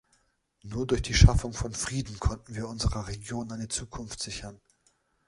Nur durch die Schaffung von Frieden konnten wir unserer Region eine Zukunft sichern.